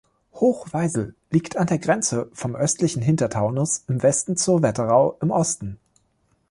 Hoch-Weisel liegt an der Grenze vom Östlichen Hintertaunus im Westen zur Wetterau im Osten.